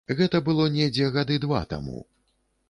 Гэта было недзе гады два таму.